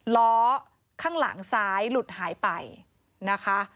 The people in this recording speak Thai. ล้อข้างหลังซ้ายหลุดหายไปนะคะ